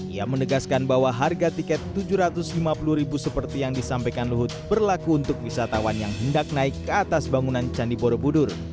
ia menegaskan bahwa harga tiket rp tujuh ratus lima puluh seperti yang disampaikan luhut berlaku untuk wisatawan yang hendak naik ke atas bangunan candi borobudur